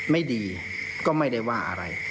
ไม่ดีก็ไม่ได้ว่าอะไร